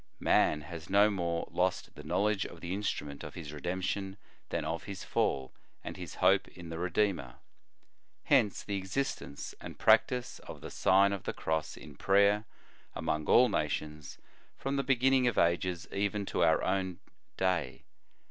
Man has no more lost the know ledge of the instrument of his redemption than of his fall, and his hope in the Redeemer. Hence the existence and practice of the Sign of the Cross in prayer, among all nations, from the beginning of ages even to our own day.